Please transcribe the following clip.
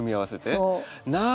そう。